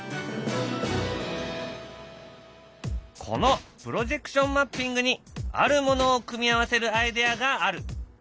このプロジェクションマッピングにあるものを組み合わせるアイデアがある。